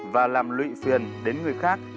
và làm lụy phiền đến người khác